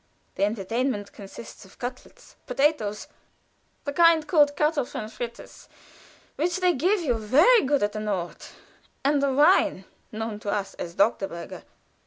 The entertainment consists of cutlets, potatoes the kind called kartoffeln frittes, which they give you very good at the Nord and the wine known to us as Doctorberger.